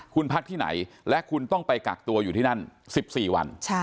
คุณพักที่ไหนและคุณต้องไปกักตัวอยู่ที่นั่น๑๔วัน